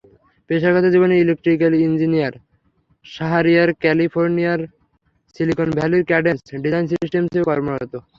পেশাগত জীবনে electrical engineer Shahriar ক্যালিফোর্নিয়ার সিলিকন ভ্যালির ক্যাডেন্স ডিজাইন সিস্টেমসে কর্মরত।